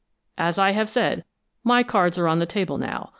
As I have said, my cards are on the table now.